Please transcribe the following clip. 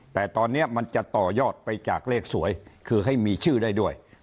แต่ตอนนี้มันจะต่อยอดไปจากเลขสวยคือให้มีชื่อได้ด้วย